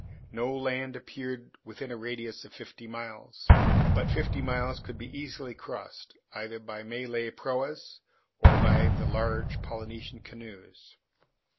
No land appeared within a radius of fifty miles. But fifty miles could be easily crossed, either by Malay proas or by the large Polynesian canoes.